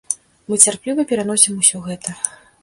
Мы цярпліва пераносім усё гэта.